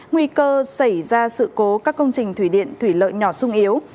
nguy cơ xảy ra sự cố các công trình thủy điện thủy lợi nhỏ sung yếu